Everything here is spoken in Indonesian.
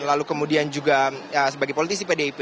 lalu kemudian juga sebagai politisi pdip